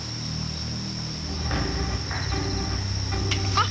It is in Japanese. あっ！